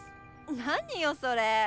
何よそれ。